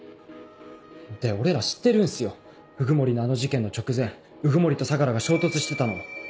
で俺ら知ってるんすよ鵜久森のあの事件の直前鵜久森と相楽が衝突してたのを。